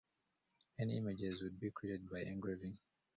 Any images would be created by engraving.